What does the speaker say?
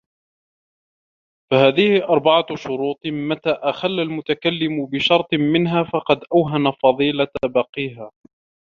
فَهَذِهِ أَرْبَعَةُ شُرُوطٍ مَتَى أَخَلَّ الْمُتَكَلِّمُ بِشَرْطٍ مِنْهَا فَقَدْ أَوْهَنَ فَضِيلَةَ بَاقِيهَا